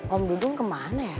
om dudung kemana ya